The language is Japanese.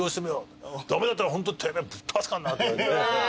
駄目だったらホントてめえぶっ飛ばすからなって言われて。